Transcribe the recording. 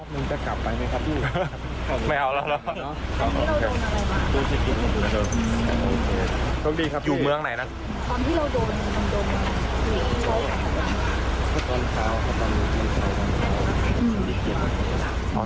ไม่เอาแล้ว